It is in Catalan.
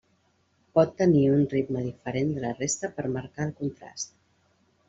Pot tenir un ritme diferent de la resta per marcar el contrast.